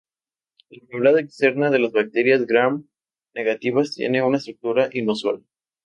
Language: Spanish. La membrana externa de las bacterias Gram-negativas tiene una estructura inusual.